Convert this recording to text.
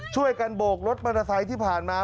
ช่วยกันโบกรถมรสไทยที่ผ่านมา